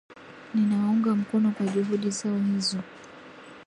Ninawaunga mkono kwa juhudi zao hizo